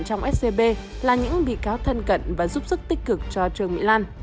trong scb là những bị cáo thân cận và giúp sức tích cực cho trương mỹ lan